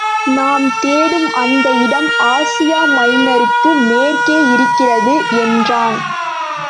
நாம் தேடும் அந்த இடம் ஆசியா மைனருக்கு மேற்கே இருக்கிறது! என்றான்.